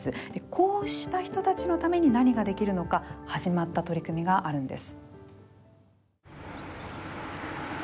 こうした人たちのために何ができるのか始まった取り組みがあるんです。